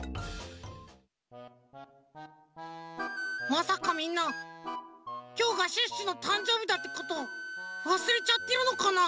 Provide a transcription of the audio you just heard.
まさかみんなきょうがシュッシュのたんじょうびだってことわすれちゃってるのかな？